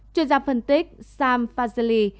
chuyên gia phân tích sam fazeli